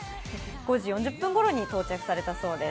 ５時４０分ごろに到着されたそうです